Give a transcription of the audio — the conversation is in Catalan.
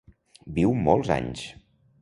Viu molts anys.